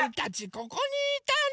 ここにいたの？